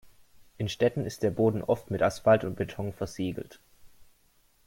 In Städten ist der Boden oft mit Asphalt und Beton versiegelt.